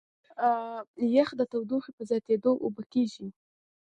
یخ د تودوخې په زیاتېدو اوبه کېږي.